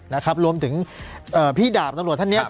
นะครับรวมถึงเอ่อพี่ดาบน้ำหลวงท่านเนี้ยครับ